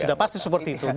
sudah pasti seperti itu